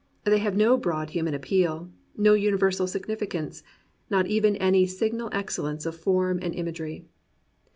They have no broad human appeal, no universal significance, not even any signal excel lence of form and imagery.